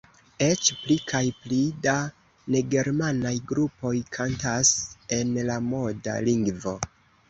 Eĉ pli kaj pli da negermanaj grupoj kantas en la moda lingvo.